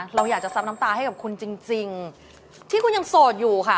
เราอยากจะซับน้ำตาให้กับคุณจริงที่คุณยังโสดอยู่ค่ะ